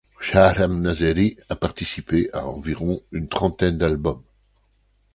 Shahram Nazeri a participé à environ une trentaine d'albums.